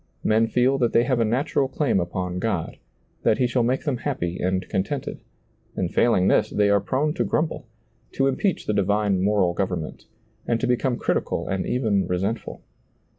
Men feel that they have a natural claim upon God, that He shall make them happy and contented, and failing this, they are prone to grumble, to impeach the divine moral government, and to become critical and even resentful.